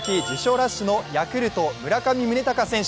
ラッシュのヤクルト・村上宗隆選手。